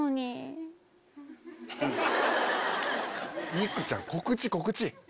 いくちゃん告知告知！